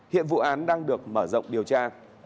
hiện vụ án đang được mở rộng điều tra